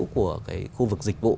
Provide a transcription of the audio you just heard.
của cái khu vực dịch vụ